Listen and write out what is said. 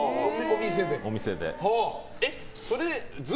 お店で。